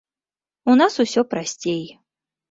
У нас усё прасцей.